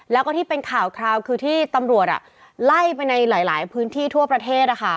แล้วก็ที่เป็นข่าวคราวคือที่ตำรวจไล่ไปในหลายพื้นที่ทั่วประเทศ